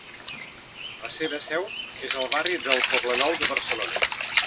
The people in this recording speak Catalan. La seva seu és al barri del Poblenou de Barcelona.